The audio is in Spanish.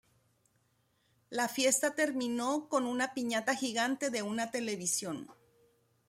La fiesta terminó con una piñata gigante de una televisión.